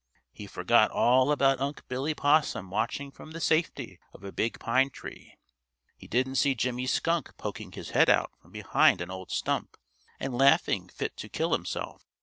He forgot all about Unc' Billy Possum watching from the safety of a big pine tree. He didn't see Jimmy Skunk poking his head out from behind an old stump and laughing fit to kill himself.